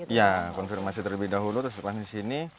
iya konfirmasi terlebih dahulu terus lepas disini